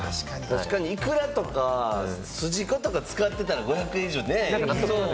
確かに、いくらとか、すじことか使ってたら５００円以上、ねえ。